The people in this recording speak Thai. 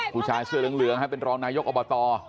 ผู้ชายเสื้อเหลืองเหลืองฮะเป็นรองนายกอบต